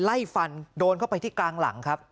ไล่ฟันโดนเข้าไปที่กลางหลังครับ